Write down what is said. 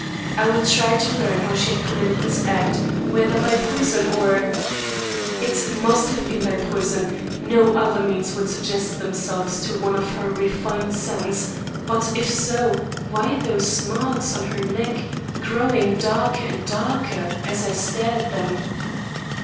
I would try to learn how she had committed this act, whether by poison or It must have been by poison; no other means would suggest themselves to one of her refined sense; but if so, why those marks on her neck, growing darker and darker as I stared at them!